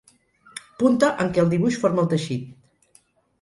Punta en què el dibuix forma el teixit.